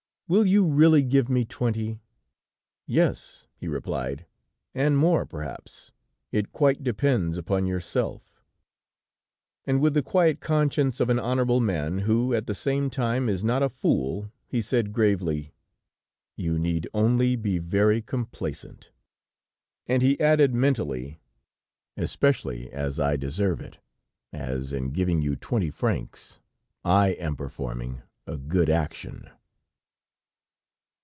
"Will you really give me twenty?" "Yes," he replied, "and more perhaps. It quite depends upon yourself." And with the quiet conscience of an honorable man who, at the same time, is not a fool he said gravely: "You need only be very complaisant." And he added, mentally: "Especially as I deserve it, as in giving you twenty francs I am performing a good action."